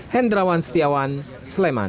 hendrawan setiawan sleman